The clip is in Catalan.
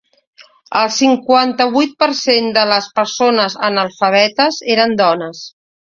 El cinquanta-vuit per cent de les persones analfabetes eren dones.